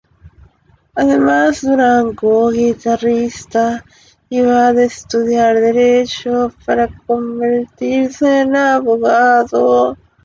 Además, Durango, guitarrista, iba a estudiar derecho para convertirse en abogado.